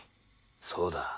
そうだ。